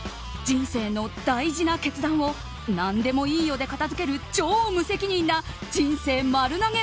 人生の大事な決断を何でもいいよで片づける超無責任な人生丸投げ